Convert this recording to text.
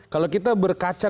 kalau kita berkaca